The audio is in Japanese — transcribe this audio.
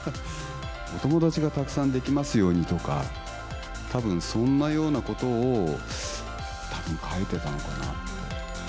お友達がたくさん出来ますようにとか、たぶんそんなようなことをたぶん書いてたのかなと。